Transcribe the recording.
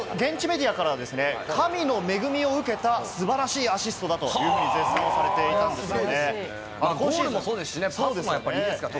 現地メディアからは、神の恵みを受けた素晴らしいアシストだというふうに絶賛されていたんですよね。